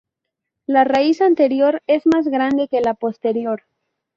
La raíz anterior es más grande que la posterior.